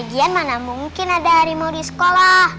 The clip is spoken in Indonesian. kajian mana mungkin ada harimau di sekolah